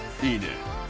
いいね。